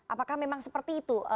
apakah memang seperti itu